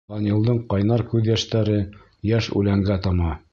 Данилдың ҡайнар күҙ йәштәре йәш үләнгә тама.